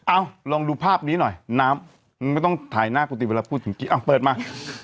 ลองดูภาพนี้หน่อยน้ำไม่ต้องถ่ายหน้ากุฏิเวลาพูดถึงกี้อ้าวเปิดมา